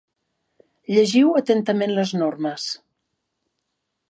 Llegiu atentament les normes.